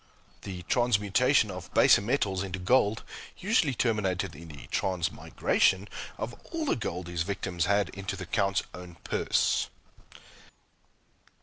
The transmutation of baser metals into gold usually terminated in the transmigration of all the gold his victims had into the Count's own purse.